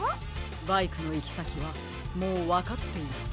バイクのいきさきはもうわかっています。